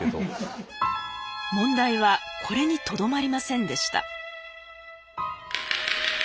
問題はこれにとどまりませんでした。